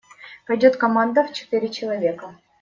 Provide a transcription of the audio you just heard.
Пойдет команда в четыре человека.